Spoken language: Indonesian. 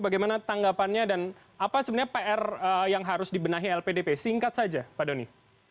bagaimana tanggapannya dan apa sebenarnya pr yang harus dibenahi lpdp singkat saja pak doni